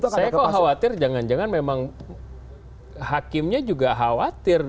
saya kok khawatir jangan jangan memang hakimnya juga khawatir